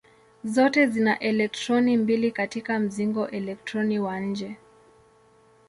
Zote zina elektroni mbili katika mzingo elektroni wa nje.